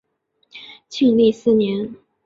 庆历四年。